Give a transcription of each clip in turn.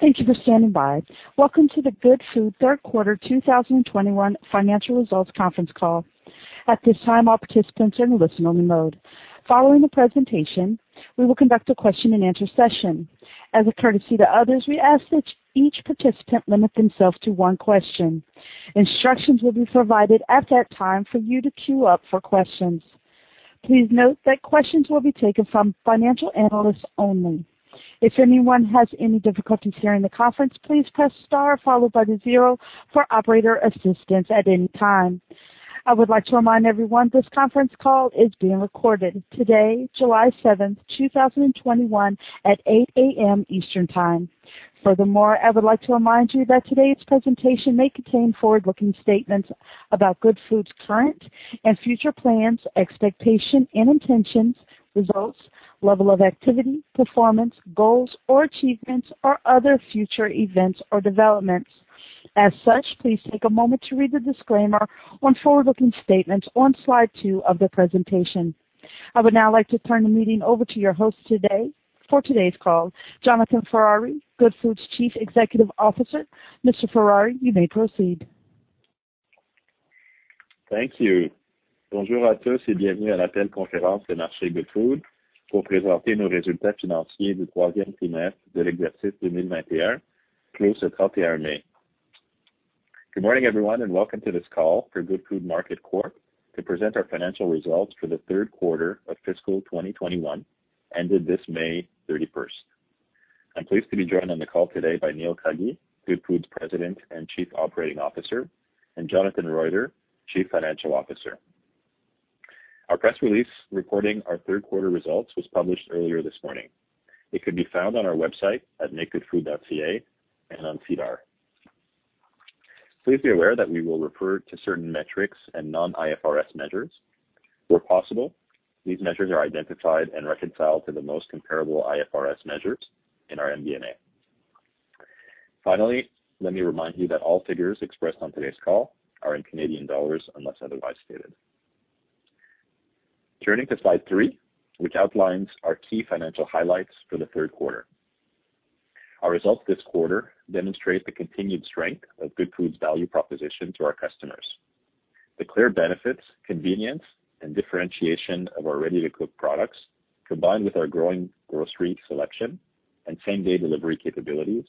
Thank you for standing by. Welcome to the Goodfood third quarter 2021 financial results conference call. At this time, all participants are in listen-only mode. Following the presentation, we will conduct a question-and-answer session. As a courtesy to others, we ask that each participant limit themselves to one question. Instructions will be provided at that time for you to queue up for questions. Please note that questions will be taken from financial analysts only. If anyone has any difficulties during the conference, please press star followed by the zero for operator assistance at any time. I would like to remind everyone this conference call is being recorded today, July 7th, 2021, at 8:00 A.M. Eastern Time. Furthermore, I would like to remind you that today's presentation may contain forward-looking statements about Goodfood's current and future plans, expectations, and intentions, results, level of activity, performance, goals or achievements or other future events or developments. As such, please take a moment to read the disclaimer on forward-looking statements on slide two of the presentation. I would now like to turn the meeting over to your host for today's call, Jonathan Ferrari, Goodfood's Chief Executive Officer. Mr. Ferrari, you may proceed. Thank you. Good morning, everyone, and welcome to this call for Goodfood Market Corp. to present our financial results for the third quarter of fiscal 2021 ended this May 31st. I'm pleased to be joined on the call today by Neil Cuggy, Goodfood's President and Chief Operating Officer, and Jonathan Roiter, Chief Financial Officer. Our press release recording our third quarter results was published earlier this morning. It can be found on our website at makegoodfood.ca and on SEDAR. Please be aware that we will refer to certain metrics and non-IFRS measures where possible. These metrics are identified and reconciled to the most comparable IFRS measures in our MD&A. Finally, let me remind you that all figures expressed on today's call are in Canadian dollars unless otherwise stated. Turning to slide three, which outlines our key financial highlights for the third quarter. Our results this quarter demonstrate the continued strength of Goodfood's value proposition to our customers. The clear benefits, convenience, and differentiation of our ready-to-cook products, combined with our growing grocery selection and same-day delivery capabilities,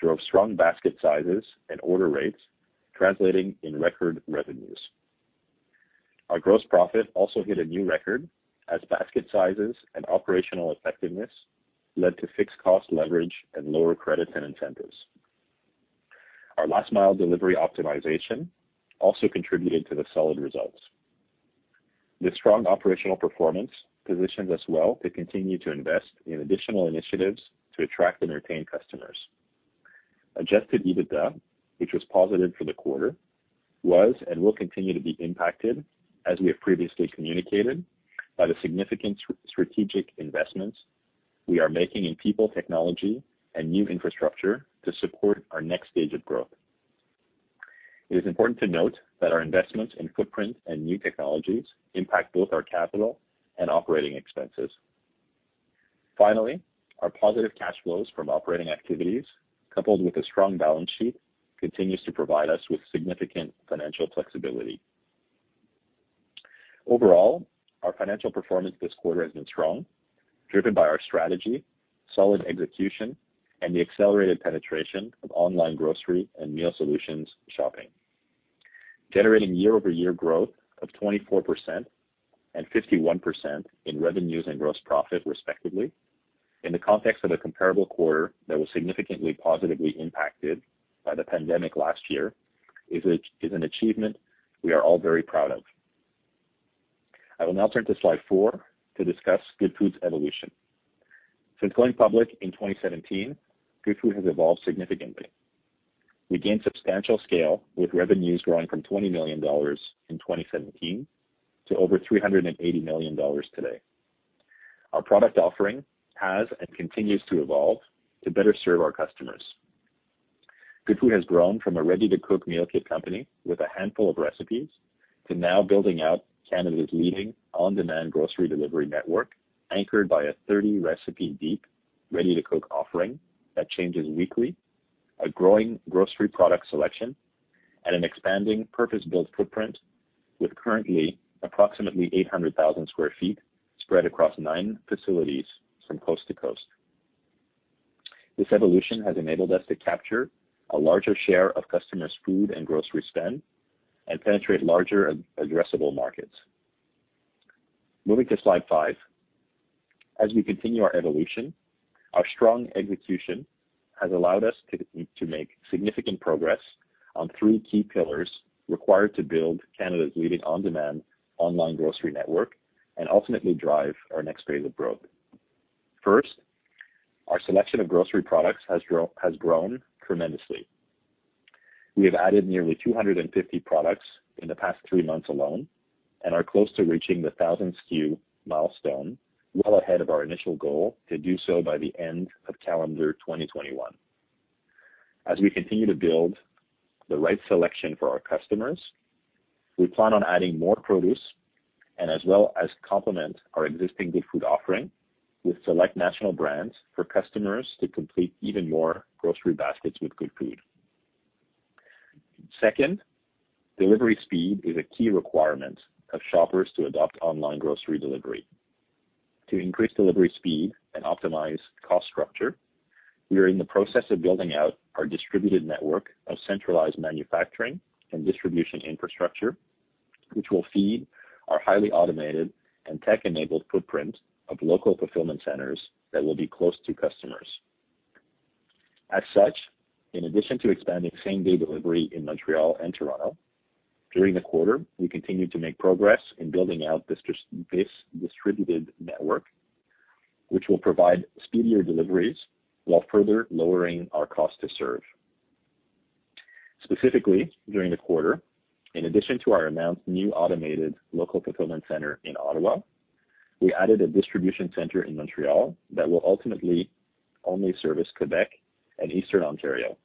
drove strong basket sizes and order rates translating in record revenues. Our gross profit also hit a new record as basket sizes and operational effectiveness led to fixed cost leverage and lower credit and intenders. Our last mile delivery optimization also contributed to the solid results. This strong operational performance positions us well to continue to invest in additional initiatives to attract and retain customers. Adjusted EBITDA, which was positive for the quarter, was and will continue to be impacted, as we have previously communicated, by the significant strategic investments we are making in people, technology, and new infrastructure to support our next stage of growth. It is important to note that our investments in footprint and new technologies impact both our capital and operating expenses. Finally, our positive cash flows from operating activities, coupled with a strong balance sheet, continues to provide us with significant financial flexibility. Overall, our financial performance this quarter has been strong, driven by our strategy, solid execution, and the accelerated penetration of online grocery and meal solutions shopping. Generating year-over-year growth of 24% and 51% in revenues and gross profit, respectively, in the context of a comparable quarter that was significantly positively impacted by the pandemic last year is an achievement we are all very proud of. I will now turn to slide 4 to discuss Goodfood's evolution. Since going public in 2017, Goodfood has evolved significantly. We gained substantial scale with revenues growing from 20 million dollars in 2017 to over 380 million dollars today. Our product offering has and continues to evolve to better serve our customers. Goodfood has grown from a ready-to-cook meal kit company with a handful of recipes to now building out Canada's leading on-demand grocery delivery network, anchored by a 30-recipe deep ready-to-cook offering that changes weekly, a growing grocery product selection, and an expanding purpose-built footprint with currently approximately 800,000 sq ft spread across nine facilities from coast to coast. This evolution has enabled us to capture a larger share of customers' food and grocery spend and penetrate larger addressable markets. Moving to slide five. As we continue our evolution, our strong execution has allowed us to make significant progress on three key pillars required to build Canada's leading on-demand online grocery network and ultimately drive our next phase of growth. First, our selection of grocery products has grown tremendously. We have added nearly 250 products in the past three months alone and are close to reaching the 1,000 SKU milestone well ahead of our initial goal to do so by the end of calendar 2021. As we continue to build the right selection for our customers, we plan on adding more produce and as well as complement our existing Goodfood offering with select national brands for customers to complete even more grocery baskets with Goodfood. Second, delivery speed is a key requirement of shoppers to adopt online grocery delivery. To increase delivery speed and optimize cost structure, we are in the process of building out our distributed network of centralized manufacturing and distribution infrastructure, which will feed our highly automated and tech-enabled footprint of local fulfillment centers that will be close to customers. As such, in addition to expanding same-day delivery in Montreal and Toronto, during the quarter, we continued to make progress in building out this distributed network, which will provide speedier deliveries while further lowering our cost to serve. Specifically, during the quarter, in addition to our new automated local fulfillment center in Ottawa, we added a distribution center in Montreal that will ultimately only service Quebec and Eastern Ontario.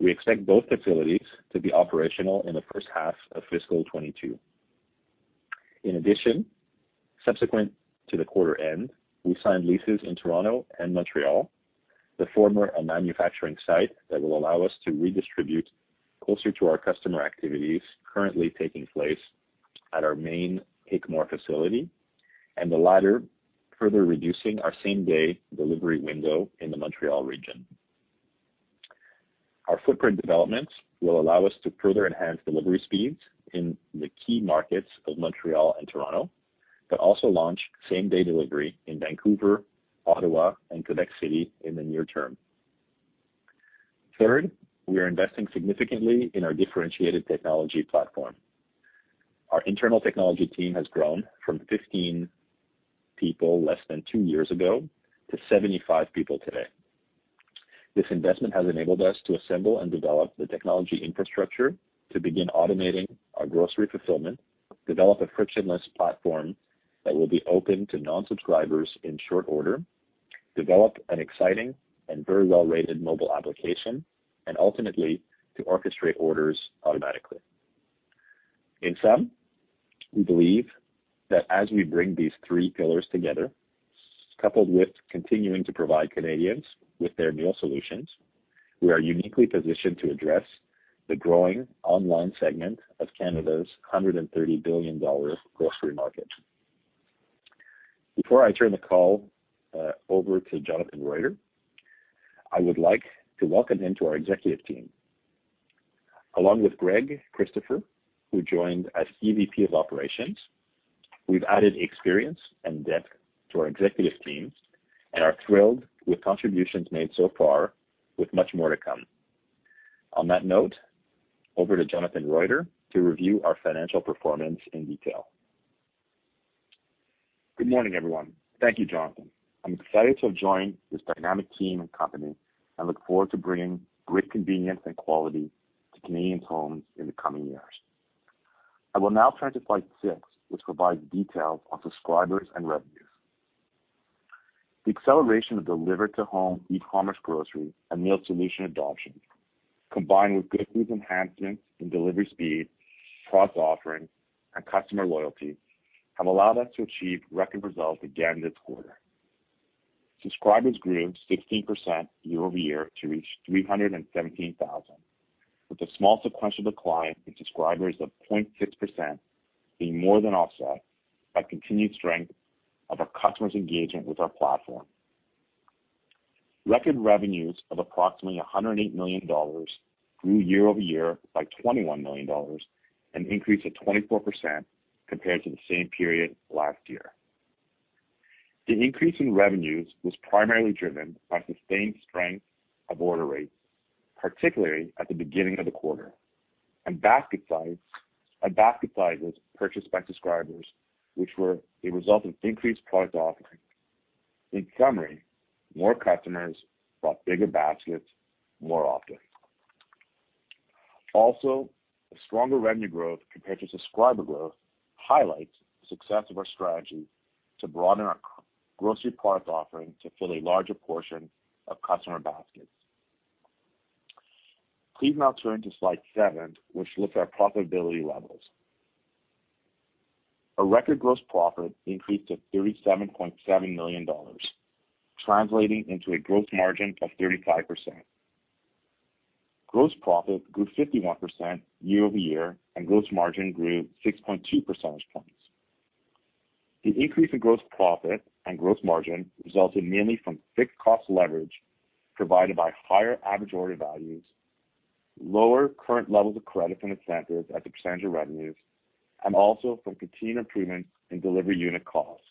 We expect both facilities to be operational in the first half of fiscal 2022. In addition, subsequent to the quarter end, we signed leases in Toronto and Montreal, the former a manufacturing site that will allow us to redistribute closer to our customer activities currently taking place at our main Pickering facility, and the latter further reducing our same-day delivery window in the Montreal region. Our footprint developments will allow us to further enhance delivery speeds in the key markets of Montreal and Toronto. Also launch same-day delivery in Vancouver, Ottawa, and Quebec City in the near term. Third, we are investing significantly in our differentiated technology platform. Our internal technology team has grown from 15 people less than two years ago to 75 people today. This investment has enabled us to assemble and develop the technology infrastructure to begin automating our grocery fulfillment, develop a frictionless platform that will be open to non-subscribers in short order, develop an exciting and very well-rated mobile application, and ultimately to orchestrate orders automatically. In sum, we believe that as we bring these three pillars together, coupled with continuing to provide Canadians with their meal solutions, we are uniquely positioned to address the growing online segment of Canada's 130 billion dollar grocery market. Before I turn the call over to Jonathan Roiter, I would like to welcome him to our executive team. Along with Greg Christopher, who joined as EVP of Operations, we've added experience and depth to our executive team and are thrilled with contributions made so far, with much more to come. On that note, over to Jonathan Roiter to review our financial performance in detail. Good morning, everyone. Thank you, Jonathan. I'm excited to have joined this dynamic team and company and look forward to bringing great convenience and quality to Canadians' homes in the coming years. I will now turn to slide 6, which provides details on subscribers and revenues. The acceleration of delivered-to-home e-commerce grocery and meal solution adoption, combined with Goodfood's enhancements in delivery speed, product offering, and customer loyalty, have allowed us to achieve record results again this quarter. Subscribers grew 16% year-over-year to reach 317,000, with a small sequential decline in subscribers of 0.6% being more than offset by continued strength of our customers' engagement with our platform. Record revenues of approximately 108 million dollars grew year-over-year by 21 million dollars, an increase of 24% compared to the same period last year. The increase in revenues was primarily driven by sustained strength of order rates, particularly at the beginning of the quarter, and basket sizes purchased by subscribers, which were a result of increased product offering. In summary, more customers bought bigger baskets more often. A stronger revenue growth compared to subscriber growth highlights the success of our strategy to broaden our grocery product offering to fill a larger portion of customer baskets. Please now turn to slide seven, which looks at our profitability levels. A record gross profit increased to 37.7 million dollars, translating into a gross margin of 35%. Gross profit grew 51% year-over-year, and gross margin grew 6.2 percentage points. The increase in gross profit and gross margin resulted mainly from fixed cost leverage provided by higher average order values, lower current levels of credit and incentives as a percentage of revenues, and also from continued improvement in delivery unit cost,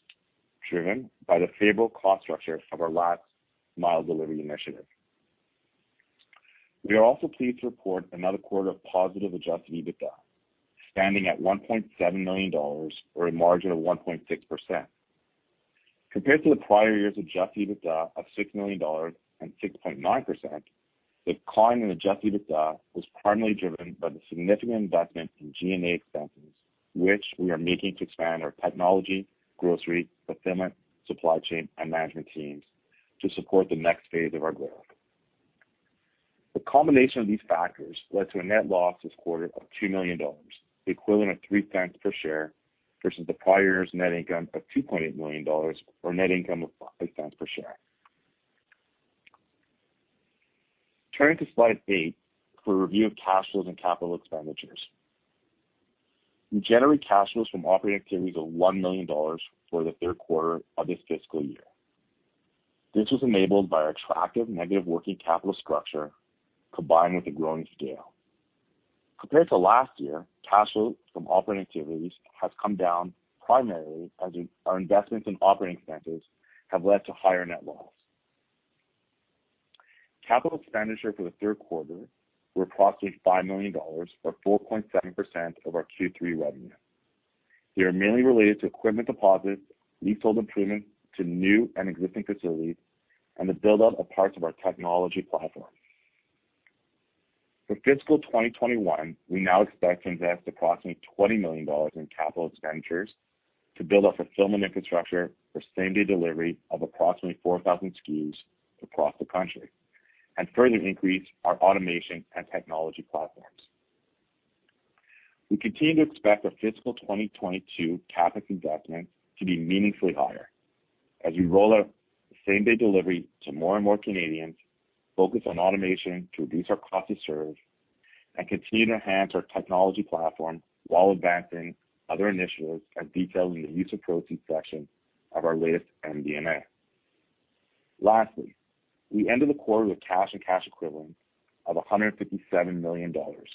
driven by the stable cost structure of our last mile delivery initiative. We are also pleased to report another quarter of positive adjusted EBITDA, standing at 1.7 million dollars, or a margin of 1.6%. Compared to the prior year's adjusted EBITDA of 6 million dollars and 6.9%, the decline in adjusted EBITDA was primarily driven by the significant investment in G&A expenses, which we are making to expand our technology, grocery, fulfillment, supply chain, and management teams to support the next phase of our growth. The combination of these factors led to a net loss this quarter of 2 million dollars, the equivalent of 0.03 per share versus the prior year's net income of 2.8 million dollars, or net income of 0.05 per share. Turning to slide eight for a review of cash flows and capital expenditures. We generated cash flows from operating activities of 1 million dollars for the third quarter of this fiscal year. This was enabled by our attractive negative working capital structure combined with a growing scale. Compared to last year, cash flow from operating activities has come down primarily as our investments in operating expenses have led to higher net loss. Capital expenditures for the third quarter were approximately 5 million dollars or 4.7% of our Q3 revenue. They are mainly related to equipment deposits, leasehold improvements to new and existing facilities, and the build-out of parts of our technology platform. For fiscal 2021, we now expect to invest approximately 20 million dollars in capital expenditures to build our fulfillment infrastructure for same-day delivery of approximately 4,000 SKUs across the country and further increase our automation and technology platforms. We continue to expect our fiscal 2022 capital investments to be meaningfully higher as we roll out same-day delivery to more and more Canadians, focus on automation to reduce our cost to serve, and continue to enhance our technology platform while advancing other initiatives as detailed in the Use of Proceeds section of our latest MD&A. Lastly, we ended the quarter with cash and cash equivalents of 157 million dollars,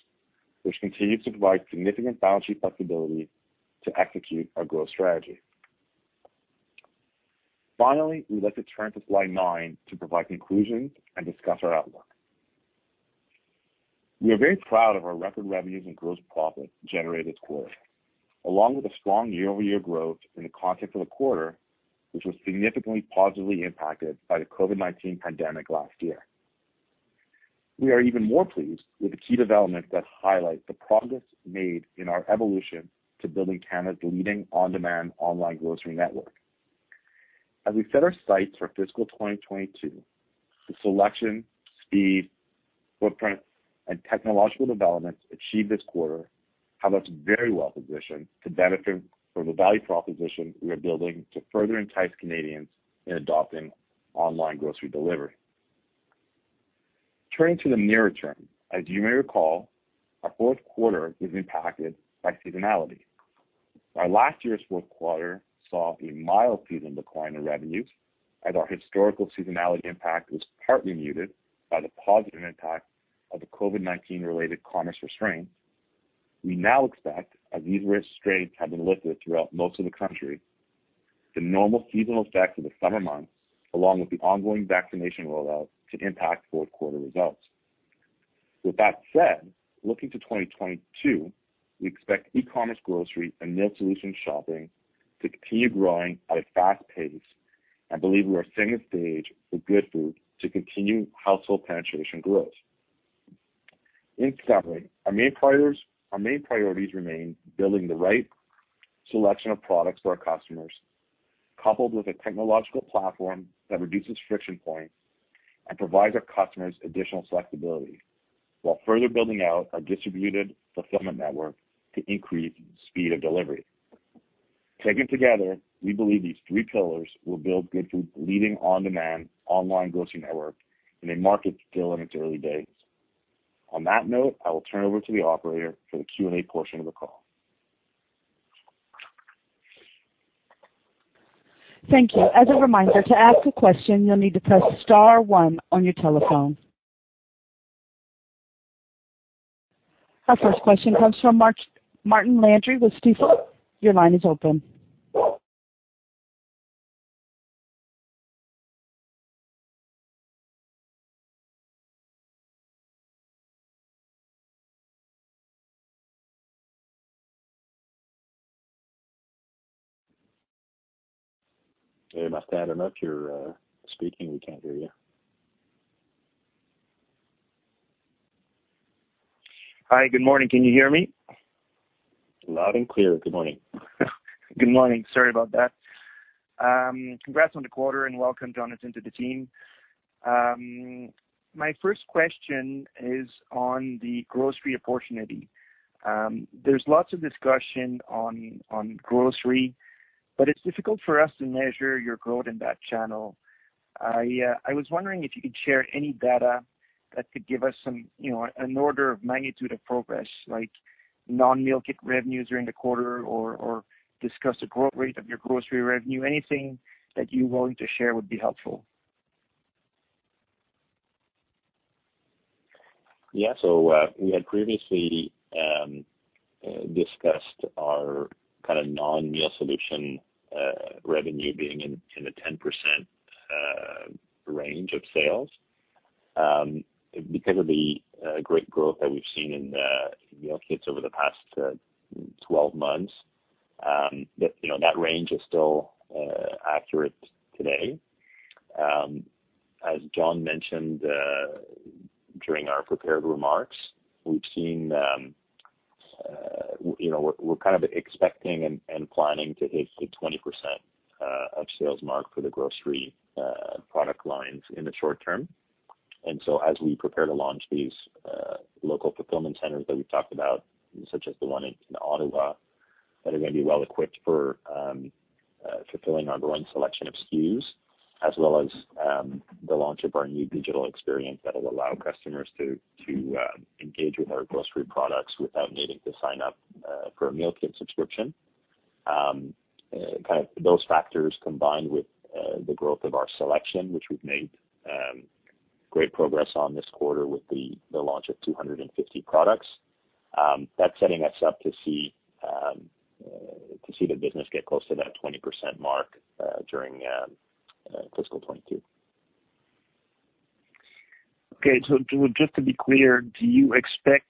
which continues to provide significant balance sheet flexibility to execute our growth strategy. Finally, we'd like to turn to slide 9 to provide conclusions and discuss our outlook. We are very proud of our record revenues and gross profit generated this quarter, along with the strong year-over-year growth in the context of the quarter, which was significantly positively impacted by the COVID-19 pandemic last year. We are even more pleased with the key developments that highlight the progress made in our evolution to building Canada's leading on-demand online grocery network. As we set our sights for fiscal 2022, the selection, speed, footprint, and technological developments achieved this quarter have us very well positioned to benefit from the value proposition we are building to further entice Canadians in adopting online grocery delivery. Turning to the near term, as you may recall, our fourth quarter is impacted by seasonality. While last year's fourth quarter saw a mild seasonal decline in revenues as our historical seasonality impact was partly muted by the positive impact of the COVID-19 related commerce restraint, we now expect, as these restraints have been lifted throughout most of the country, the normal seasonal effect of the summer months, along with the ongoing vaccination rollout, to impact fourth quarter results. With that said, looking to 2022, we expect e-commerce grocery and meal solution shopping to continue growing at a fast pace and believe we are setting the stage for Goodfood to continue household penetration growth. In summary, our main priorities remain building the right selection of products to our customers, coupled with a technological platform that reduces friction points and provides our customers additional flexibility while further building out our distributed fulfillment network to increase speed of delivery. Taken together, we believe these three pillars will build Goodfood's leading on-demand online grocery network in a market still in its early days. On that note, I will turn over to the operator for the Q&A portion of the call. Thank you. As a reminder, to ask a question, you'll need to press star one on your telephone. Our first question comes from Martin Landry with Stifel. Your line is open. Hey, Martin, I'm not sure speaking. We can't hear you. Hi. Good morning. Can you hear me? Loud and clear. Good morning. Good morning. Sorry about that. Congrats on the quarter and welcome Jonathan to the team. My first question is on the grocery opportunity. There's lots of discussion on grocery, but it's difficult for us to measure your growth in that channel. I was wondering if you could share any data that could give us an order of magnitude of progress, like non-meal kit revenues during the quarter or discuss the growth rate of your grocery revenue. Anything that you're willing to share would be helpful. Yeah. We had previously discussed our non-meal solution revenue being in the 10% range of sales. Because of the great growth that we've seen in the meal kits over the past 12 months, that range is still accurate today. As Jon mentioned. During our prepared remarks, we've seen we're kind of expecting and planning to hit the 20% of sales mark for the grocery product lines in the short term. As we prepare to launch these local fulfillment centers that we talked about, such as the one in Ottawa, that are going to be well-equipped for fulfilling our growing selection of SKUs, as well as the launch of our new digital experience that will allow customers to engage with our grocery products without needing to sign up for a meal kit subscription. Those factors, combined with the growth of our selection, which we've made great progress on this quarter with the launch of 250 products, that's setting us up to see the business get close to that 20% mark during fiscal 2022. Okay. Just to be clear, do you expect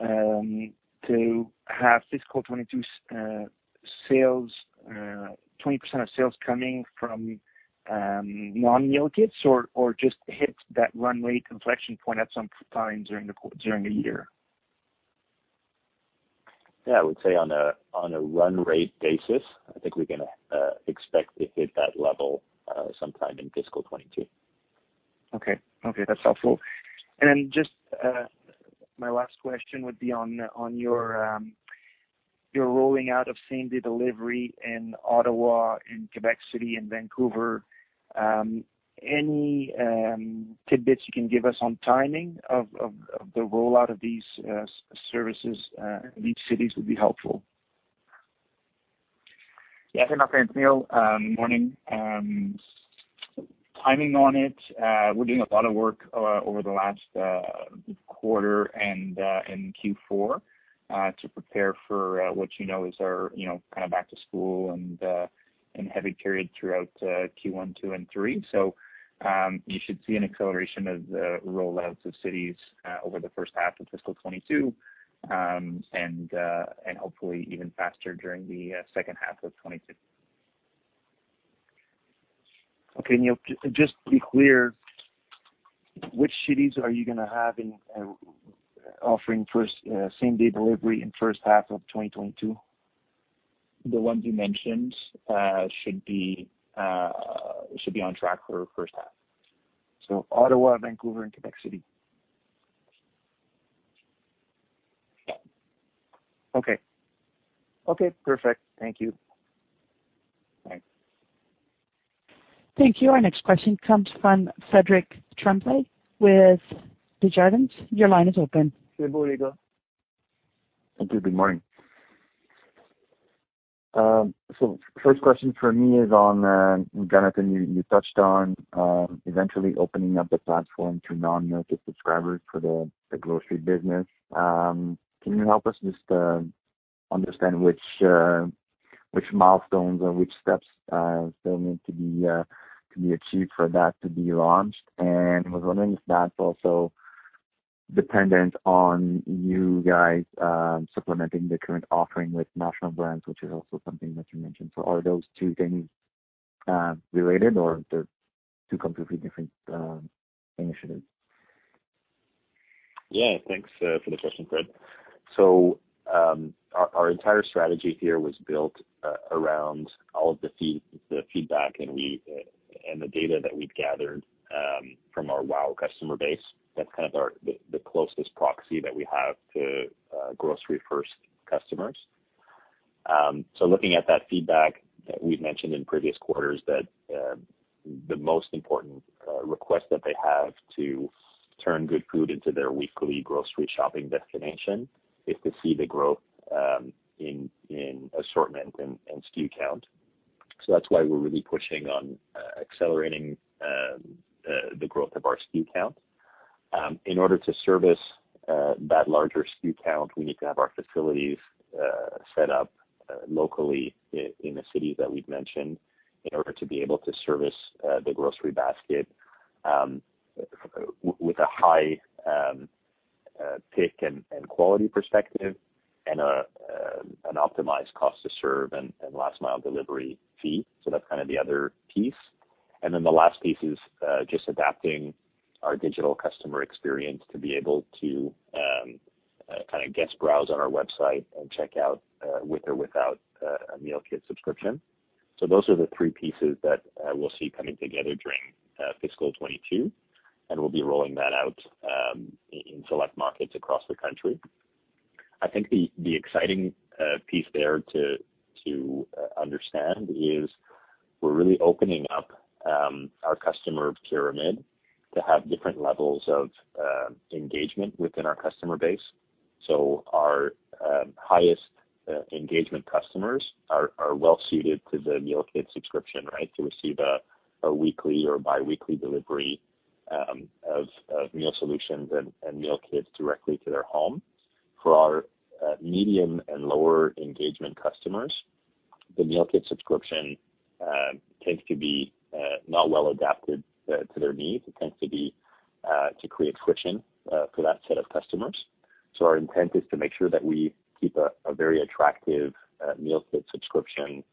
to have fiscal 2022, 20% of sales coming from non-meal kits or just hit that run rate inflection point at some time during the year? Yeah, I would say on a run rate basis, I think we can expect to hit that level sometime in fiscal 2022. Okay. That's helpful. Just my last question would be on your rolling out of same-day delivery in Ottawa, in Quebec City, and Vancouver. Any tidbits you can give us on timing of the rollout of these services in these cities would be helpful. No, Martin. Morning. Timing on it, we did a lot of work over the last quarter and in Q4 to prepare for what you know is our back to school and heavy period throughout Q1, 2, and 3. You should see an acceleration of the rollouts of cities over the first half of fiscal 2022, and hopefully even faster during the second half of 2022. Okay. Just to be clear, which cities are you going to have offering same-day delivery in the first half of 2022? The ones you mentioned should be on track for the first half. Ottawa, Vancouver, and Quebec City? Yeah. Okay. Okay, perfect. Thank you. Thanks. Thank you. Our next question comes from Frederic Tremblay with Desjardins. Your line is open. Thank you. Good morning. First question for me is on, Jonathan, you touched on eventually opening up the platform to non-meal kit subscribers for the grocery business. Can you help us just understand which milestones or which steps still need to be achieved for that to be launched? I was wondering if that's also dependent on you guys supplementing the current offering with national brands, which is also something that you mentioned. Are those two things related, or are they two completely different initiatives? Yeah. Thanks for the question, Frederic Tremblay. Our entire strategy here was built around all the feedback and the data that we gathered from the WOW customer base. That's kind of the closest proxy that we have to grocery-first customers. Looking at that feedback, we've mentioned in previous quarters that the most important request that they have to turn Goodfood into their weekly grocery shopping destination is to see the growth in assortment and SKU count. That's why we're really pushing on accelerating the growth of our SKU count. In order to service that larger SKU count, we need to have our facilities set up locally in the cities that we've mentioned in order to be able to service the grocery basket with a high pick and quality perspective and an optimized cost to serve and last mile delivery fee. That's kind of the other piece. The last piece is just adapting our digital customer experience to be able to kind of guest browse on our website and check out with or without a meal kit subscription. Those are the three pieces that we'll see coming together during fiscal 2022, and we'll be rolling that out in select markets across the country. I think the exciting piece there to understand is we're really opening up our customer pyramid to have different levels of engagement within our customer base. Our highest engagement customers are well suited to the meal kit subscription, to receive a weekly or biweekly delivery of meal solutions and meal kits directly to their home. For our medium and lower engagement customers, the meal kit subscription tends to be not well adapted to their needs. It tends to create friction for that set of customers. Our intent is to make sure that we keep a very attractive meal kit subscription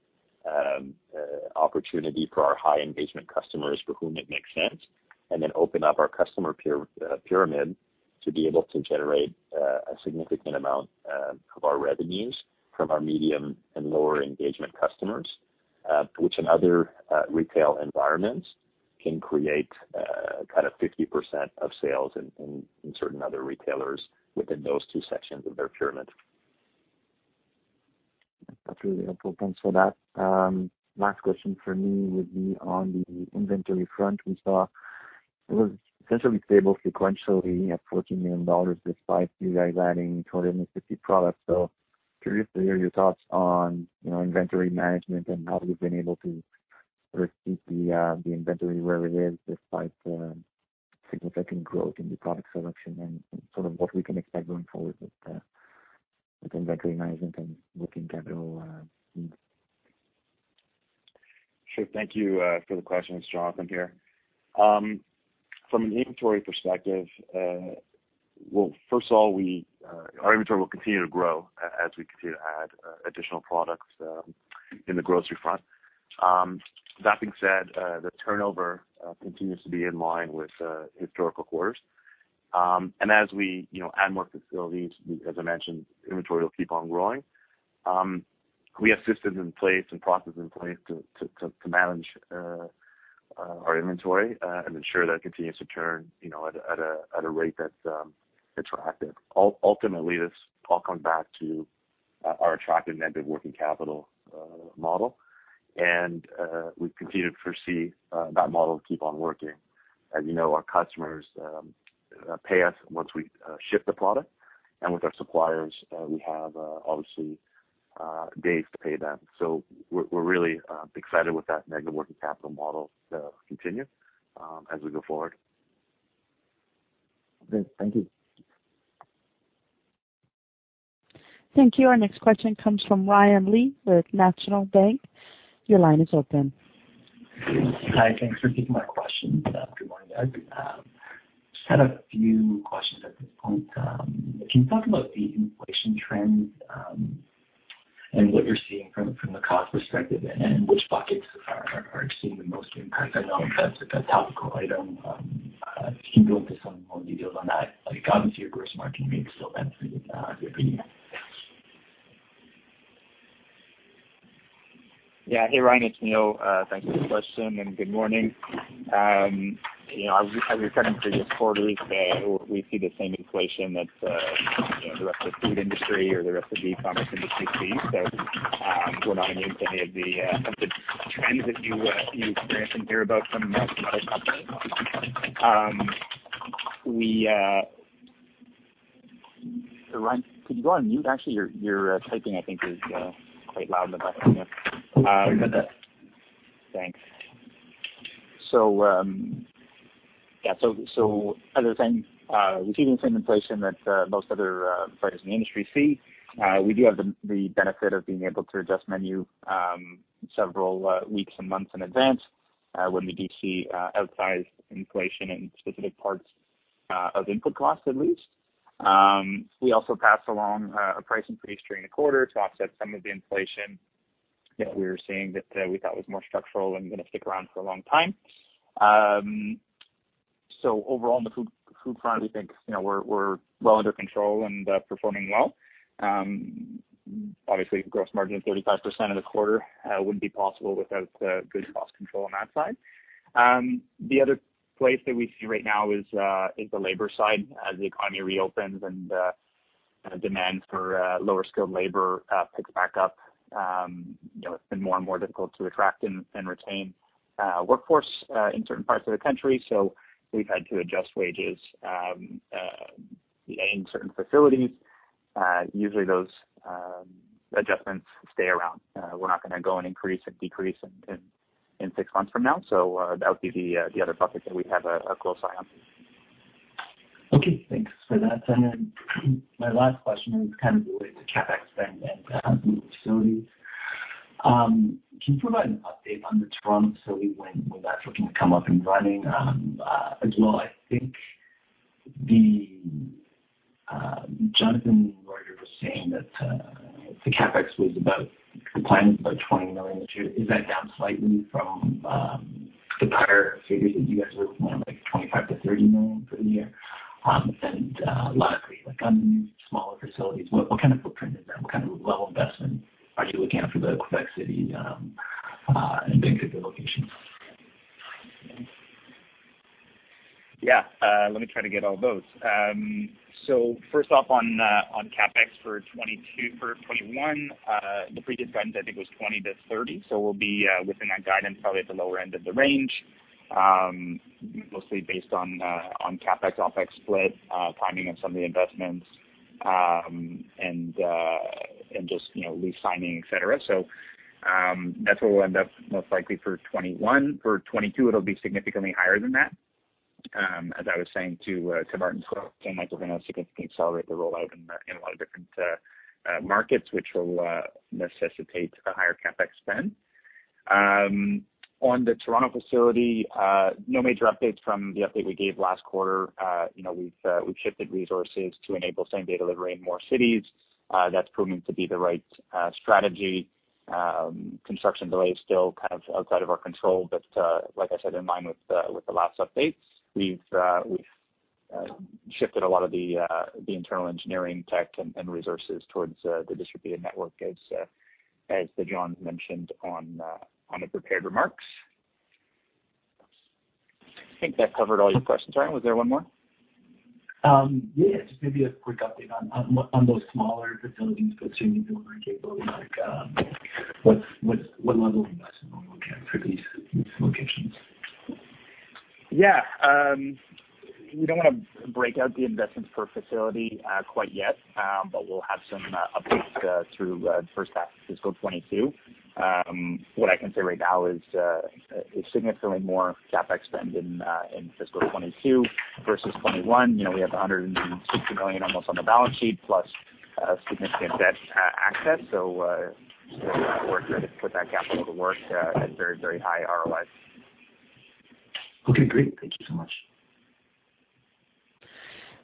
opportunity for our high engagement customers for whom it makes sense, and then open up our customer pyramid to be able to generate a significant amount of our revenues from our medium and lower engagement customers, which in other retail environments can create 50% of sales in certain other retailers within those two sections of their pyramid. That's really helpful. That last question for me would be on the inventory front, we saw it was essentially stable sequentially at 14 million dollars, despite you guys adding 250 products. Curious to hear your thoughts on inventory management and how you've been able to sort of keep the inventory where it is despite the significant growth in your product selection and sort of what we can expect going forward with the inventory management and working capital. Sure. Thank you for the question. It's Jonathan here. From an inventory perspective, well, first of all, our inventory will continue to grow as we continue to add additional products in the grocery front. That being said, the turnover continues to be in line with historical quarters. As we add more facilities, as I mentioned, inventory will keep on growing. We have systems in place and processes in place to manage our inventory and ensure that continues to turn at a rate that's attractive. Ultimately, this will all come back to our attractive negative working capital model, and we continue to foresee that model keep on working. As you know, our customers pay us once we ship the product, and with our suppliers, we have obviously days to pay them. We're really excited with that negative working capital model to continue as we go forward. Good. Thank you. Thank you. Our next question comes from Ryan Li with National Bank. Your line is open. Hi, thanks for taking my questions. Good morning, guys. Just had a few questions at this point. Can you talk about the inflation trends and what you're seeing from a cost perspective and which buckets are seeing the most impact? I know that's a topical item. Can you go into some more detail on that? It comes through your gross margin, so that's good to hear. Yeah. Hey, Ryan, it's Neil. Thanks for the question and good morning. As we're commenting for this quarter, we see the same inflation that the rest of the food industry or the rest of the economic industry sees. We're not immune to the trends that you experience and hear about from. Ryan, could you go on mute? Actually, your typing, I think, is quite loud in the background there. Sorry about that. Thanks. As I was saying, we've seen the same inflation that most other parts of the industry see. We do have the benefit of being able to adjust menu several weeks and months in advance when we do see outsized inflation in particular parts of input costs, at least. We also passed along a price increase during the quarter to offset some of the inflation that we were seeing that we thought was more structural and going to stick around for a long time. Overall, on the food front, we think we're well under control and performing well. Obviously, gross margin 35% in the quarter wouldn't be possible without good cost control on that side. The other place that we see right now is the labor side. As the economy reopens and demand for lower skilled labor picks back up, it's been more and more difficult to attract and retain workforce in certain parts of the country. We've had to adjust wages in certain facilities. Usually those adjustments stay around. We're not going to go and increase and decrease in six months from now. That would be the other bucket that we have a close eye on. Okay, thanks for that. My last question is related to CapEx spend and new facilities. Can you provide an update on the Toronto facility when that's looking to come up and running? I think Jonathan, in the quarter, was saying that the CapEx was about, the plan is about 20 million this year. Is that down slightly from the higher figures that you guys were looking at, like 25 million-30 million for the year? Lastly, on the new smaller facilities, what kind of footprint is there? What kind of level of investment are you looking at for the Quebec City and Vancouver locations? Yeah. Let me try to get all those. First off, on CapEx for 2021, the previous guidance, I think, was 20-30. We'll be within that guidance, probably at the lower end of the range, mostly based on CapEx, OpEx split, timing of some of the investments, and just lease signing, et cetera. That's what we'll end up most likely for 2021. For 2022, it'll be significantly higher than that. As I was saying to Kamar and Swaroop, Canada Post is getting consolidated a lot in a lot of different markets, which will necessitate a higher CapEx spend. On the Toronto facility, no major updates from the update we gave last quarter. We've shifted resources to enable same-day delivery in more cities. That's proven to be the right strategy. Construction delays still outside of our control, but like I said, in line with the last updates. We've shifted a lot of the internal engineering tech and resources towards the distributed network as Jonathan mentioned in the prepared remarks. I think that covered all your questions, right? Was there one more? Yeah, just maybe a quick update on those smaller facilities that you mentioned earlier. What level of investment will we get for these locations? Yeah. We don't want to break out the investments per facility quite yet, but we'll have some updates through the first half of fiscal 2022. What I can say right now is significantly more CapEx spend in fiscal 2022 versus 2021. We have 160 million almost on the balance sheet, plus significant debt access. We're ready to put that capital to work at very, very high ROIs. Okay, great. Thank you so much.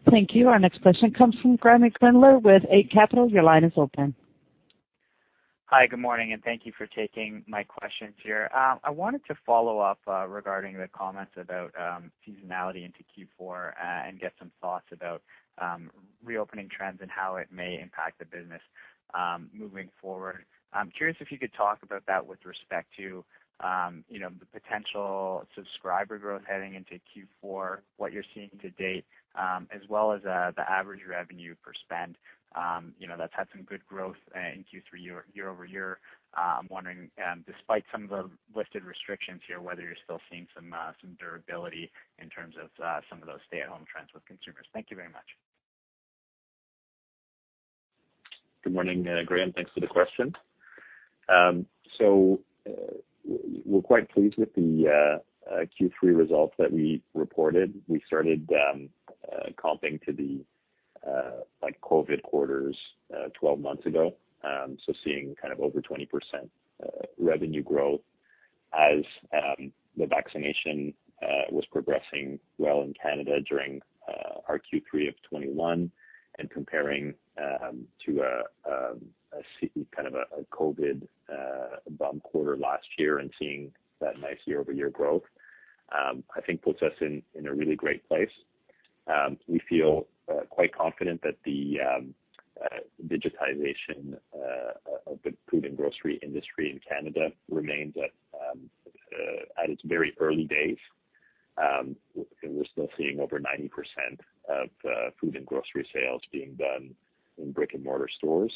Thank you. Our next question comes from Graeme Kreindler with Eight Capital. Your line is open. Hi, good morning, and thank you for taking my questions here. I wanted to follow up regarding the comments about seasonality into Q4 and get some thoughts about reopening trends and how it may impact the business moving forward. I'm curious if you could talk about that with respect to the potential subscriber growth heading into Q4, what you're seeing to date, as well as the average revenue per spend. That's had some good growth in Q3 year-over-year. I'm wondering, despite some of the lifted restrictions here, whether you're still seeing some durability in terms of some of those stay-at-home trends with consumers. Thank you very much. Good morning, Graeme. Thanks for the question. We're quite pleased with the Q3 results that we reported. We started comping to the COVID-19 quarters 12 months ago. Seeing over 20% revenue growth as the vaccination was progressing well in Canada during our Q3 of 2021 and comparing to a COVID-19 bum quarter last year and seeing that nice year-over-year growth, I think puts us in a really great place. We feel quite confident that the digitization of the food and grocery industry in Canada remains at its very early days. We're still seeing over 90% of food and grocery sales being done in brick and mortar stores.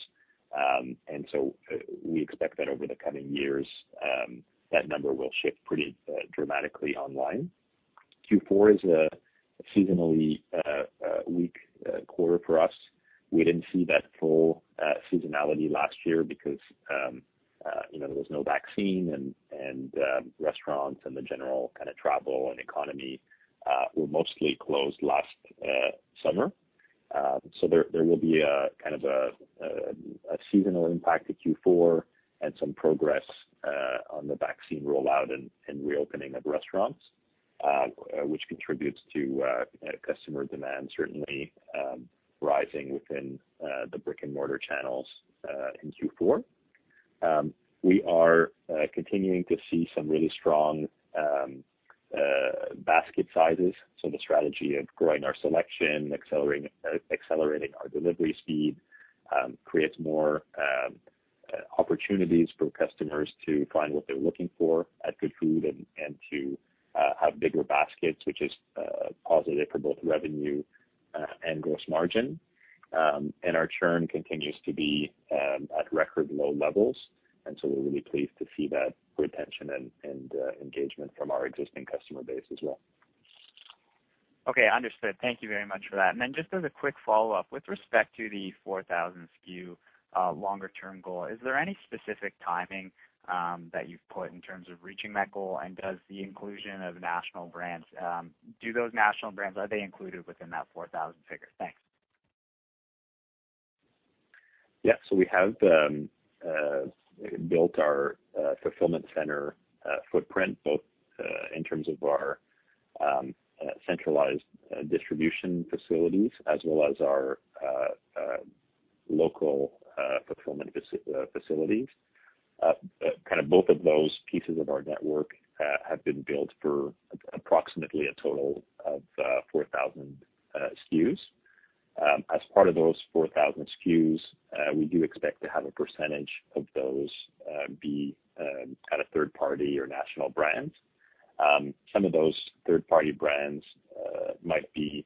We expect that over the coming years, that number will shift pretty dramatically online. Q4 is a seasonally weak quarter for us. We didn't see that full seasonality last year because there was no vaccine and restaurants and the general travel and economy were mostly closed last summer. There will be a seasonal impact in Q4 and some progress on the vaccine rollout and reopening of restaurants, which contributes to customer demand certainly rising within the brick and mortar channels in Q4. We are continuing to see some really strong basket sizes. The strategy of growing our selection, accelerating our delivery speed, creates more opportunities for customers to find what they're looking for at Goodfood and to have bigger baskets, which is positive for both revenue and gross margin. Our churn continues to be at record low levels. We're really pleased to see that retention and engagement from our existing customer base as well. Okay, understood. Thank you very much for that. Just as a quick follow-up, with respect to the 4,000 SKU longer-term goal, is there any specific timing that you've put in terms of reaching that goal? Does the inclusion of national brands, are they included within that 4,000 figure? Thanks. We have built our fulfillment center footprint, both in terms of our centralized distribution facilities as well as our local fulfillment facilities. Both of those pieces of our network have been built for approximately a total of 4,000 SKUs. As part of those 4,000 SKUs, we do expect to have a percentage of those be third-party or national brands. Some of those third-party brands might be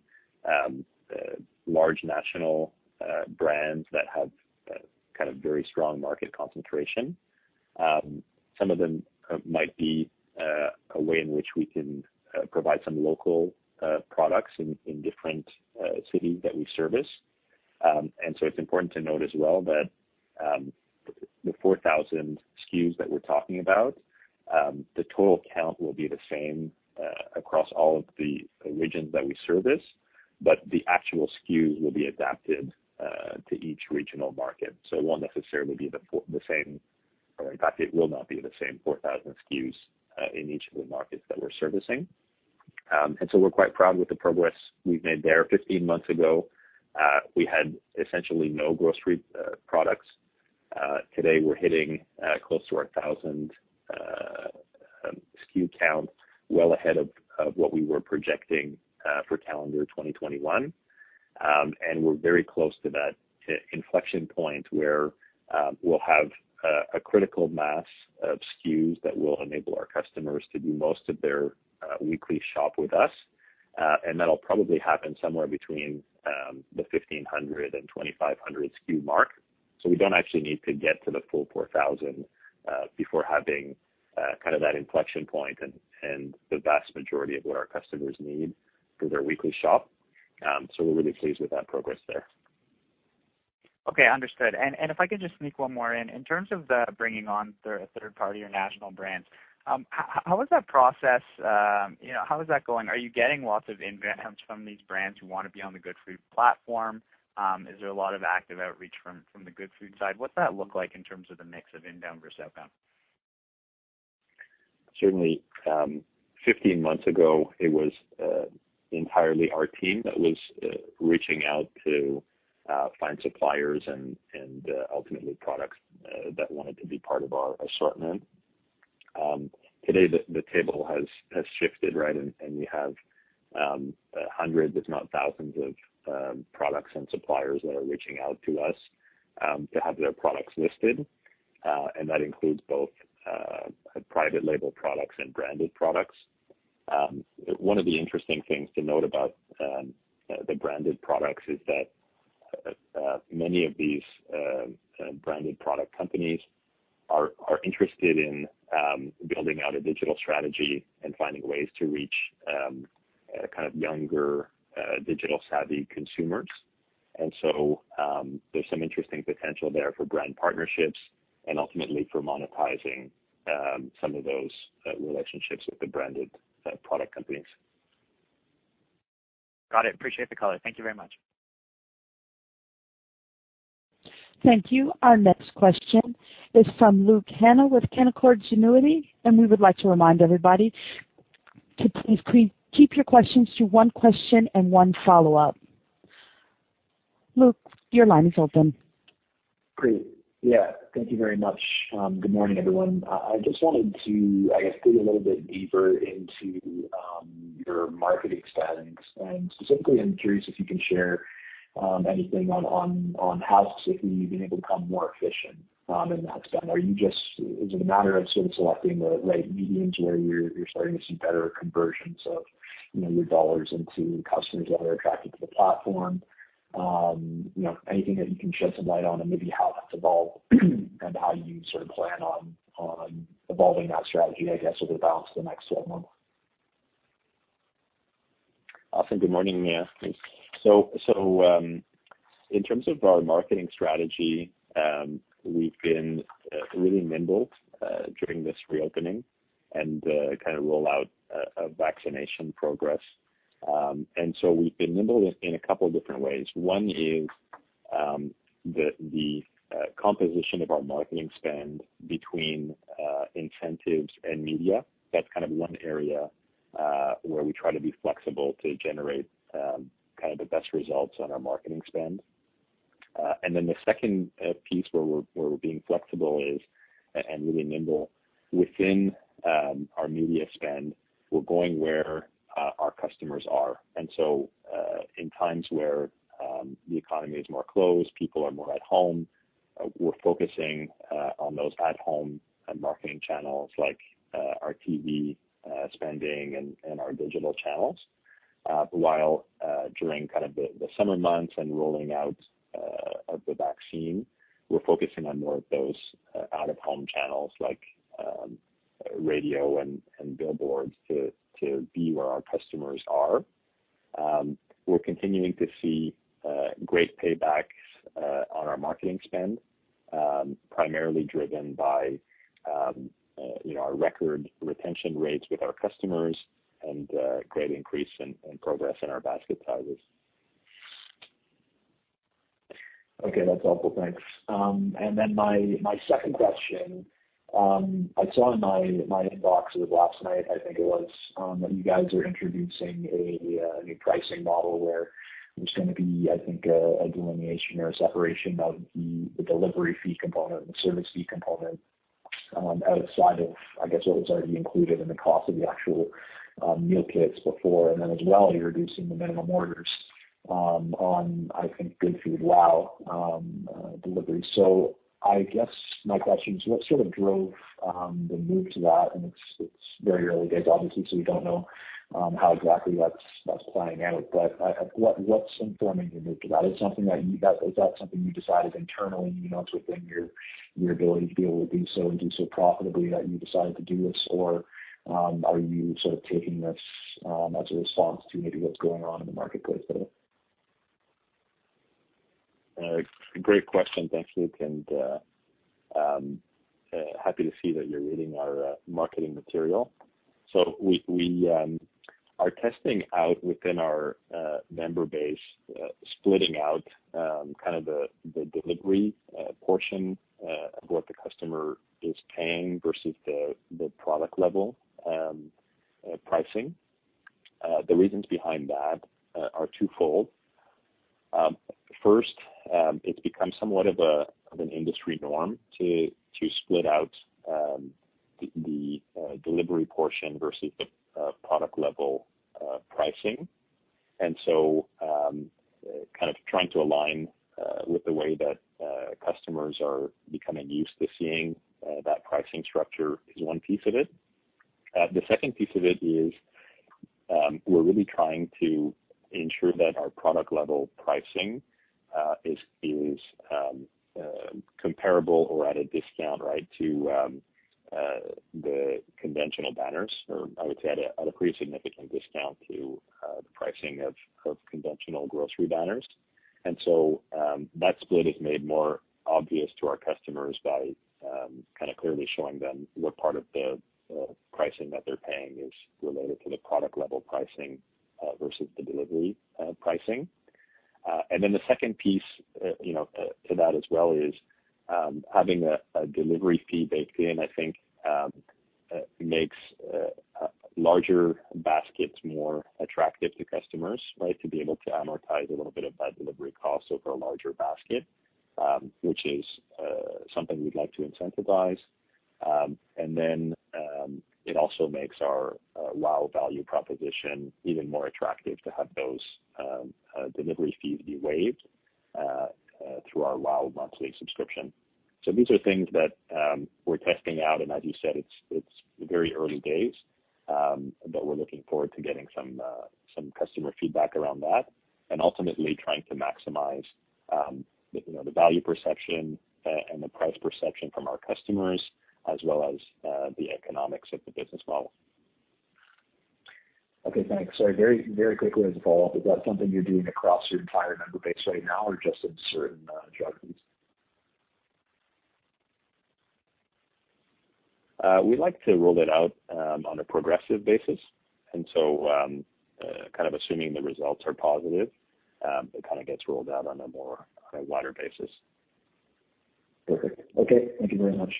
large national brands that have very strong market concentration. Some of them might be a way in which we can provide some local products in different cities that we service. It's important to note as well that the 4,000 SKUs that we're talking about, the total count will be the same across all of the regions that we service. The actual SKUs will be adapted to each regional market. It won't necessarily be the same, or in fact, it will not be the same 4,000 SKUs in each of the markets that we're servicing. We're quite proud with the progress we've made there. 15 months ago, we had essentially no grocery products. Today, we're hitting close to 1,000 SKU count, well ahead of what we were projecting for calendar 2021. We're very close to that inflection point where we'll have a critical mass of SKUs that will enable our customers to do most of their weekly shop with us. That'll probably happen somewhere between the 1,500 and 2,500 SKU mark. We don't actually need to get to the full 4,000 before having that inflection point and the vast majority of what our customers need for their weekly shop. We're really pleased with that progress there. Okay, understood. If I could just sneak one more in. In terms of the bringing on third party or national brands, how is that process? How is that going? Are you getting lots of inbound from these brands who want to be on the Goodfood platform? Is there a lot of active outreach from the Goodfood side? What's that look like in terms of the mix of inbound versus outbound? Certainly, 15 months ago, it was entirely our team that was reaching out to find suppliers and ultimately products that wanted to be part of our assortment. Today, the table has shifted, and we have hundreds if not thousands of products and suppliers that are reaching out to us to have their products listed. That includes both private label products and branded products. One of the interesting things to note about the branded products is that many of these branded product companies are interested in building out a digital strategy and finding ways to reach younger, digital-savvy consumers. So, there's some interesting potential there for brand partnerships and ultimately for monetizing some of those relationships with the branded product companies. Got it. Appreciate the color. Thank you very much. Thank you. Our next question is from Luke Hannan with Canaccord Genuity. We would like to remind everybody to please keep your questions to one question and one follow-up. Luke, your line is open. Great. Yeah, thank you very much. Good morning, everyone. I just wanted to, I guess, dig a little bit deeper into your marketing spend. Specifically, I'm curious if you can share anything on how specifically you've been able to become more efficient in that spend. Is it a matter of sort of selecting the right mediums where you're starting to see better conversions of your dollars into customers that are attracted to the platform? Anything that you can shed some light on and maybe how that's evolved and how you sort of plan on evolving that strategy, I guess, over the balance of the next 12 months? Austin, good morning. Yeah, thanks. In terms of our marketing strategy, we've been really nimble during this reopening and the rollout of vaccination progress. We've been nimble in two different ways. One is, the composition of our marketing spend between incentives and media. That's one area where we try to be flexible to generate the best results on our marketing spend. The second piece where we're being flexible is, and really nimble, within our media spend, we're going where our customers are. In times where the economy is more closed, people are more at home, we're focusing on those at-home marketing channels like our TV spending and our digital channels. While during the summer months and rolling out of the vaccine, we're focusing on more of those out-of-home channels like radio and billboards to be where our customers are. We're continuing to see great paybacks on our marketing spend, primarily driven by our record retention rates with our customers and great increase in progress in our basket sizes. Okay, that's helpful. Thanks. Then my second question. I saw in my inbox as of last night, I think it was, that you guys are introducing a new pricing model where there's going to be, I think, a delineation or separation of the delivery fee component or the service fee component outside of, I guess, what was already included in the cost of the actual meal kits before. Then as well, you're reducing the minimum orders on, I think, Goodfood WOW delivery. I guess my question is, what drove the move to that? It's very early days, obviously, so we don't know how exactly that's playing out. What's informing the move to that? Is that something you decided internally within your ability to be able to be so and do so profitably that you decided to do this? Are you taking this as a response to maybe what's going on in the marketplace today? Great question. Thanks, Luke Hannan, and happy to see that you're reading our marketing material. We are testing out within our member base, splitting out the delivery portion of what the customer is paying versus the product level pricing. The reasons behind that are twofold. First, it's become somewhat of an industry norm to split out the delivery portion versus the product level pricing. Trying to align with the way that customers are becoming used to seeing that pricing structure is one piece of it. The second piece of it is we're really trying to ensure that our product level pricing is comparable or at a discount to the conventional banners, or I would say at a pretty significant discount to the pricing of conventional grocery banners. That split is made more obvious to our customers by clearly showing them what part of the pricing that they're paying is related to the product level pricing versus the delivery pricing. The second piece to that as well is having a delivery fee baked in, I think makes larger baskets more attractive to customers, to be able to amortize a little bit of that delivery cost over a larger basket, which is something we'd like to incentivize. It also makes our WOW value proposition even more attractive to have those delivery fees be waived through our WOW monthly subscription. These are things that we're testing out, and as you said, it's very early days, but we're looking forward to getting some customer feedback around that. Ultimately trying to maximize the value perception and the price perception from our customers, as well as the economics of the business as well. Okay, thanks. Sorry, very quickly as a follow-up. Is that something you're doing across your entire member base right now or just in certain geographies? We like to roll it out on a progressive basis, and so assuming the results are positive, it gets rolled out on a wider basis. Perfect. Okay. Thank you very much.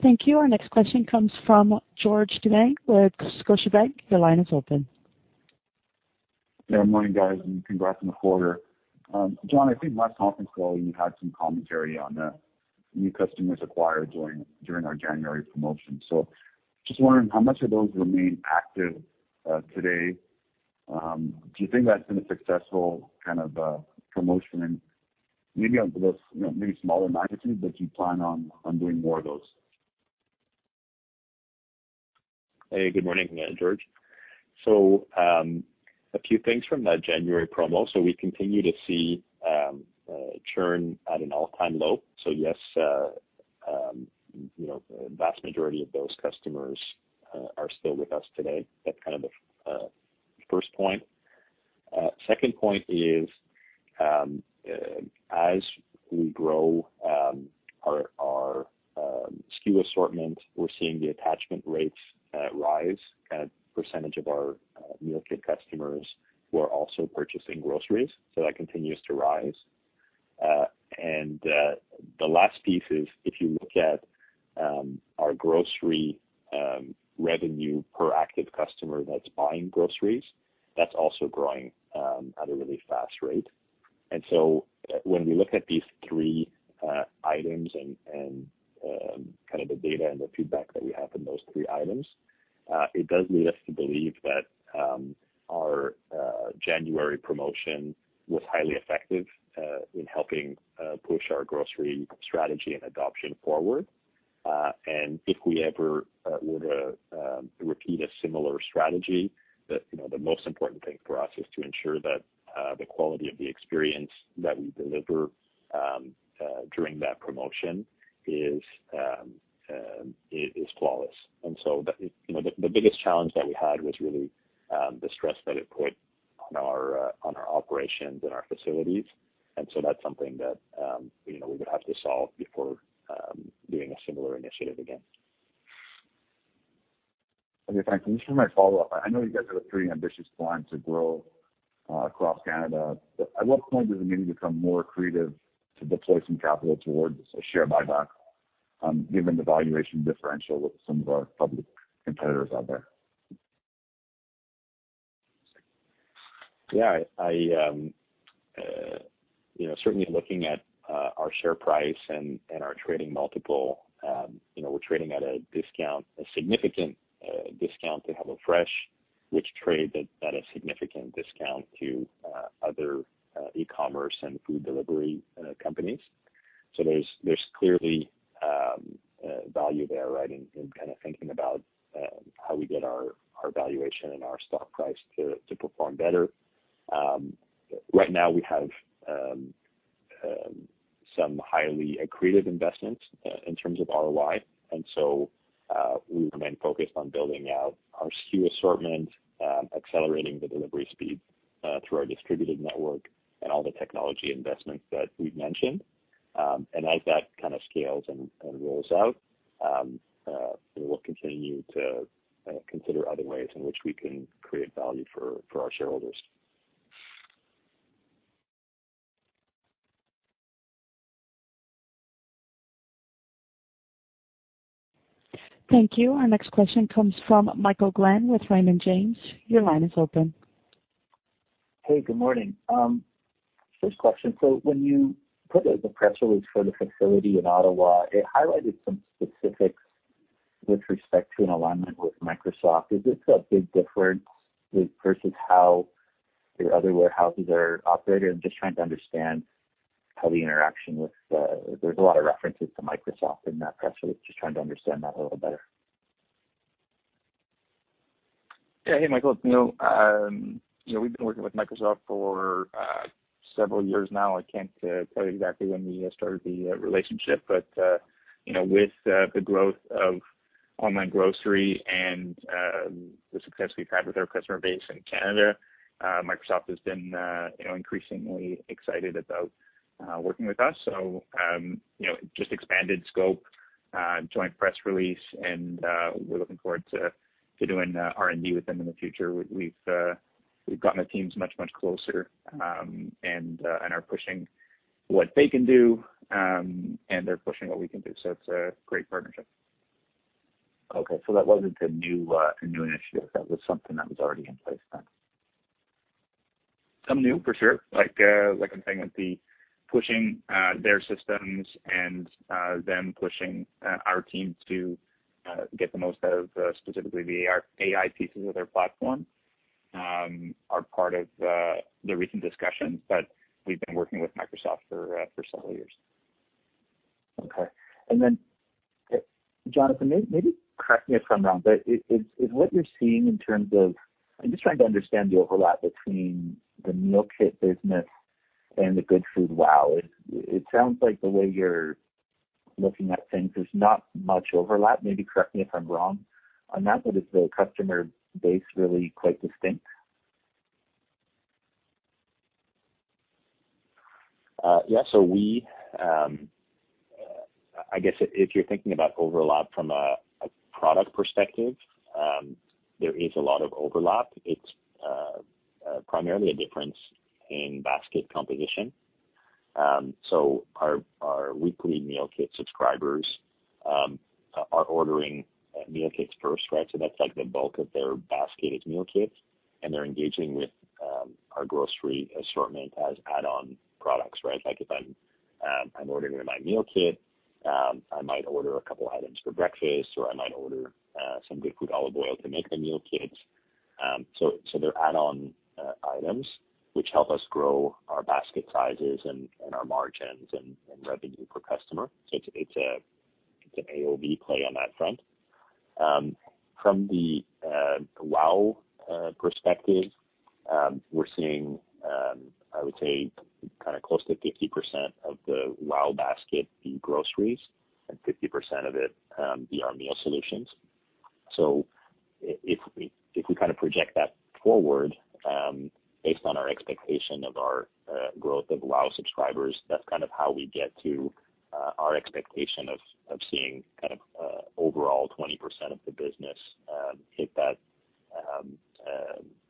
Thank you. Our next question comes from George Doumet with Scotiabank. Your line is open. Good morning, guys, and congrats on the quarter. Jon, I think last conference call you had some commentary on the new customers acquired during our January promotion. Just wondering how much of those remain active today? Do you think that's been a successful promotion and maybe on a smaller magnitude, but do you plan on doing more of those? Good morning again, George. A few things from that January promo. We continue to see churn at an all-time low. Yes, the vast majority of those customers are still with us today. That's the first point. Second point is as we grow our SKU assortment, we're seeing the attachment rates rise and percentage of our meal kit customers who are also purchasing groceries. That continues to rise. The last piece is if you look at our grocery revenue per active customer that's buying groceries, that's also growing at a really fast rate. When we look at these three items and the data and the feedback that we have in those three items, it does lead us to believe that our January promotion was highly effective in helping push our grocery strategy and adoption forward. If we ever were to repeat a similar strategy, the most important thing for us is to ensure that the quality of the experience that we deliver during that promotion is flawless. The biggest challenge that we had was really the stress that it put on our operations and our facilities. That's something that we would have to solve before doing a similar initiative again. Okay, thanks. Just for my follow-up, I know you guys have a pretty ambitious plan to grow across Canada. At what point does it maybe become more accretive to deploy some capital towards a share buyback, given the valuation differential with some of our public competitors out there? Yeah. Certainly looking at our share price and our trading multiple, we're trading at a significant discount to HelloFresh, which traded at a significant discount to other e-commerce and food delivery companies. There's clearly value there in thinking about how we get our valuation and our stock price to perform better. Right now we have some highly accretive investments in terms of ROI. We remain focused on building out our SKU assortment, accelerating the delivery speed through our distributed network and all the technology investments that we've mentioned. As that scales and rolls out, we will continue to consider other ways in which we can create value for our shareholders. Thank you. Our next question comes from Michael Glen with Raymond James. Your line is open. Hey, good morning. First question, when you put out the press release for the facility in Ottawa, it highlighted some specifics with respect to an alignment with Microsoft. Is this a big difference versus how your other warehouses are operating? There's a lot of references to Microsoft in that press release. Just trying to understand that a little better. Hey, Michael. We've been working with Microsoft for several years now. I can't tell you exactly when we started the relationship, but with the growth of online grocery and the success we've had with our customer base in Canada, Microsoft has been increasingly excited about working with us. Just expanded scope, joint press release, and we're looking forward to doing R&D with them in the future. We've gotten the teams much, much closer, and are pushing what they can do, and they're pushing what we can do. It's a great partnership. Okay, that wasn't a new initiative. That was something that was already in place then. Some new for sure. Like I'm saying, with the pushing their systems and them pushing our teams to get the most out of specifically the AI pieces of their platform are part of the recent discussions. We've been working with Microsoft for several years. Okay. Jonathan, maybe correct me if I'm wrong, but is what you're seeing in terms of I'm just trying to understand the overlap between the meal kit business and the Goodfood WOW? It sounds like the way you're looking at things, there's not much overlap. Maybe correct me if I'm wrong on that. Is the customer base really quite distinct? I guess if you're thinking about overlap from a product perspective, there is a lot of overlap. It's primarily a difference in basket composition. Our weekly meal kit subscribers are ordering meal kits first, right? That's like the bulk of their basket is meal kits, and they're engaging with our grocery assortment as add-on products, right? Like if I'm ordering my meal kit, I might order a couple items for breakfast, or I might order some Goodfood olive oil to make the meal kit. They're add-on items, which help us grow our basket sizes and our margins and revenue per customer. It's an AOV play on that front. From the WOW perspective, we're seeing, I would say, close to 50% of the WOW basket be groceries and 50% of it be our meal solutions. If we project that forward based on our expectation of our growth of WOW subscribers, that's how we get to our expectation of seeing overall 20% of the business hit that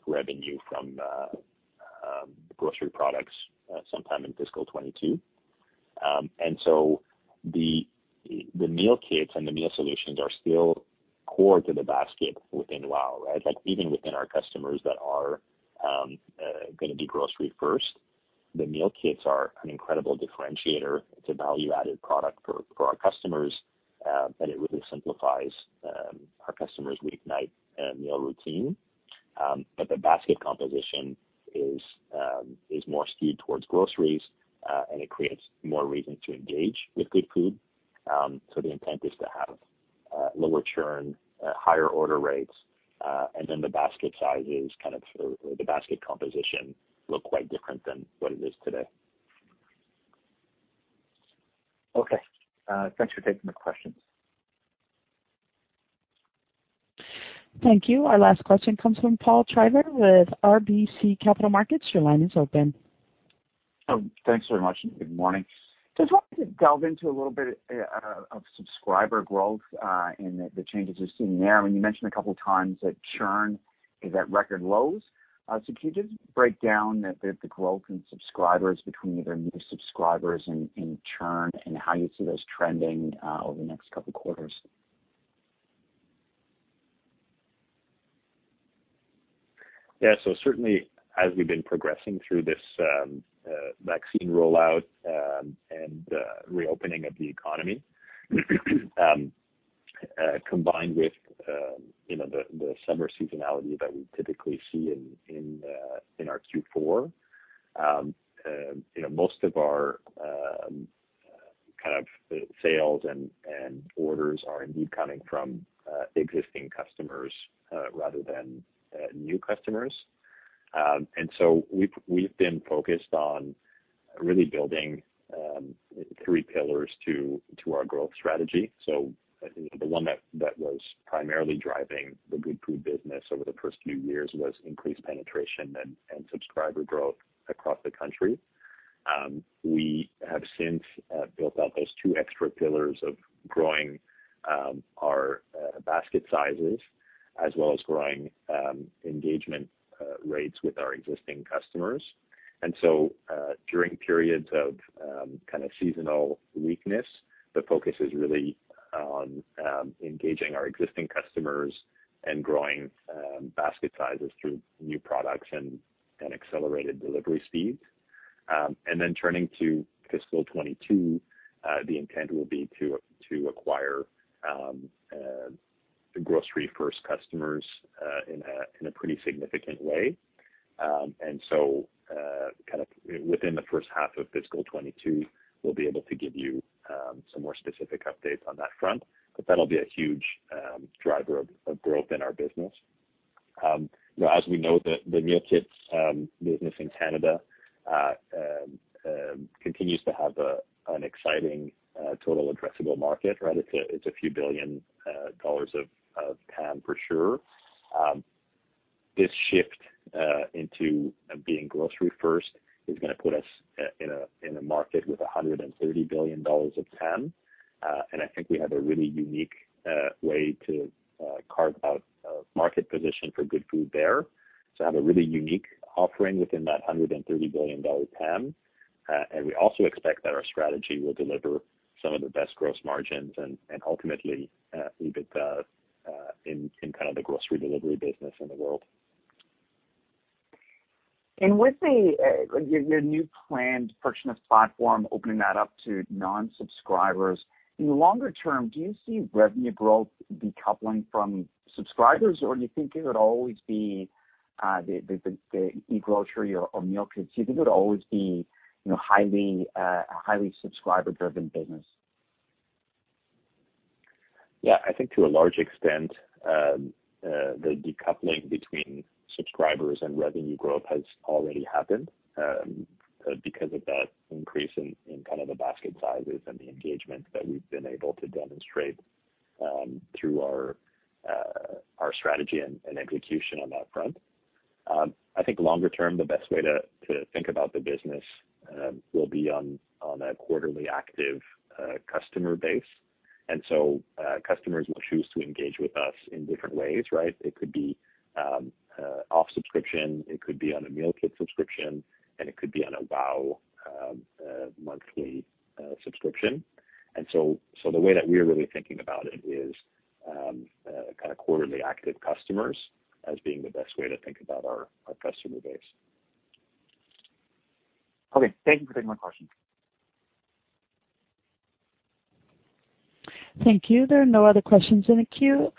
revenue from the grocery products sometime in fiscal 2022. The meal kits and the meal solutions are still core to the basket within WOW, right? Like even within our customers that are going to do grocery first, the meal kits are an incredible differentiator. It's a value-added product for our customers, and it really simplifies our customers' weeknight meal routine. The basket composition is more skewed towards groceries, and it creates more reason to engage with Goodfood. The intent is to have lower churn, higher order rates, and then the basket sizes, the basket composition look quite different than what it is today. Okay. Thanks for taking the questions. Thank you. Our last question comes from Paul Treiber with RBC Capital Markets. Your line is open. Thanks very much, good morning. Just wanted to delve into a little bit of subscriber growth and the changes you're seeing there. I mean, you mentioned a couple of times that churn is at record lows. Can you just break down the growth in subscribers between either new subscribers and churn and how you see those trending over the next couple of quarters? Yeah. Certainly, as we've been progressing through this vaccine rollout and reopening of the economy, combined with the summer seasonality that we typically see in our Q4, most of our sales and orders are indeed coming from existing customers rather than new customers. We've been focused on really building three pillars to our growth strategy. The one that was primarily driving the Goodfood business over the first few years was increased penetration and subscriber growth across the country. We have since built out those two extra pillars of growing our basket sizes as well as growing engagement rates with our existing customers. During periods of seasonal weakness, the focus is really on engaging our existing customers and growing basket sizes through new products and accelerated delivery speeds. Turning to fiscal 2022, the intent will be to acquire grocery-first customers in a pretty significant way. Within the first half of fiscal 2022, we'll be able to give you some more specific updates on that front. That'll be a huge driver of growth in our business. As we know, the meal kits business in Canada continues to have an exciting total addressable market. It's a few billion dollars of TAM for sure. This shift into being grocery first is going to put us in a market with 130 billion dollars of TAM. I think we have a really unique way to carve out a market position for Goodfood there. Have a really unique offering within that 130 billion dollar TAM. We also expect that our strategy will deliver some of the best gross margins and ultimately, EBITDA in the grocery delivery business in the world. With your new planned frictionless platform, opening that up to non-subscribers, in the longer term, do you see revenue growth decoupling from subscribers, or do you think it would always be the e-grocery or meal kits? Do you think it would always be highly subscriber-driven business? Yeah, I think to a large extent, the decoupling between subscribers and revenue growth has already happened, because of that increase in the basket sizes and the engagement that we've been able to demonstrate through our strategy and execution on that front. I think longer term, the best way to think about the business will be on a quarterly active customer base. Customers will choose to engage with us in different ways, right? It could be off subscription, it could be on a meal kit subscription, and it could be on a WOW monthly subscription. The way that we're really thinking about it is quarterly active customers as being the best way to think about our customer base. Okay, thank you for taking my question. Thank you. There are no other questions in the queue.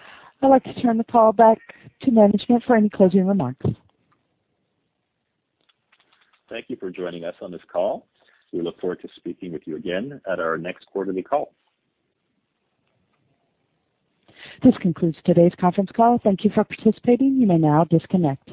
I'd like to turn the call back to management for any closing remarks. Thank you for joining us on this call. We look forward to speaking with you again at our next quarterly call. This concludes today's conference call. Thank you for participating. You may now disconnect.